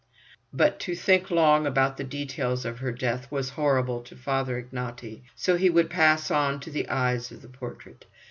But to think long about the details of her death was horrible to Father Ignaty, so he would pass on to the eyes of the portrait.